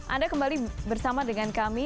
anda kembali bersama dengan kami